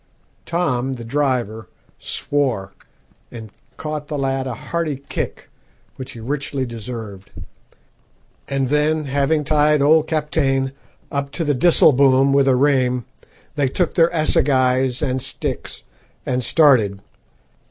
"Tom, the driver, swore, and caught the lad a hearty kick, which he richly deserved, and then, having tied old Kaptein up to the disselboom with a reim, they took their assegais and sticks, and started.